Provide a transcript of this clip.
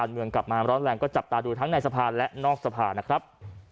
เมืองกลับมาร้อนแรงก็จับตาดูทั้งในสภาและนอกสภานะครับ